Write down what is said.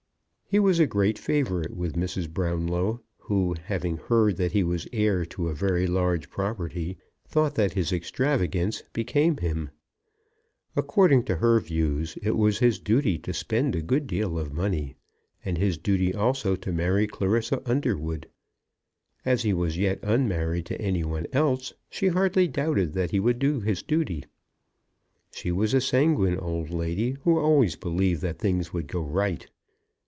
He was a great favourite with Mrs. Brownlow, who, having heard that he was heir to a very large property, thought that his extravagance became him. According to her views it was his duty to spend a good deal of money, and his duty also to marry Clarissa Underwood. As he was as yet unmarried to any one else, she hardly doubted that he would do his duty. She was a sanguine old lady, who always believed that things would go right.